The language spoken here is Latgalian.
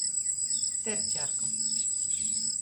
Terciarka.